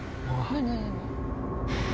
何？